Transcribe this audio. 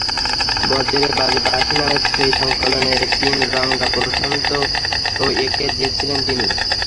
বজ্রে বাজে বাঁশী নামের সেই সংকলনের তিনরঙা প্রচ্ছদ এঁকে দিয়েছিলেন তিনি।